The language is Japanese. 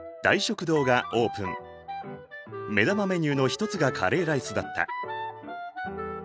目玉メニューの一つがカレーライスだった。